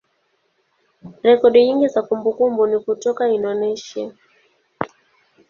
rekodi nyingi za kumbukumbu ni kutoka Indonesia.